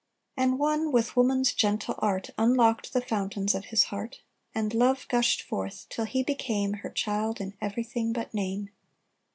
And one, with woman's gentle art, Unlocked the fountains of his heart; And love gushed forth till he became Her child in everything but name.